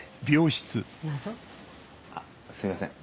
あっすいません。